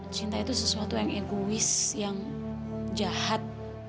cinta itu sesuatu yang egois yang jahat